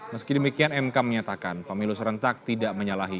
meski demikian mk menyatakan pemilu serentak tidak menyalahi